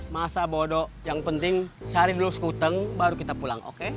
masa bodoh yang penting cari dulu skuteng baru kita pulang oke